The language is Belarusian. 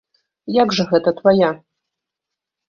Як жа гэта твая?